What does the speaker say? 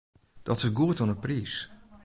Dat is goed oan 'e priis.